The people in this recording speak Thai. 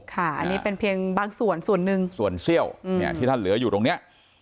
ค่ะอันนี้เป็นเพียงบางส่วนส่วนหนึ่งส่วนเซี่ยวเนี่ยที่ท่านเหลืออยู่ตรงนี้